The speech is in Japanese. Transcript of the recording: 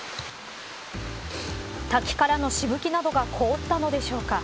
滝からのしぶきなどが凍ったのでしょうか。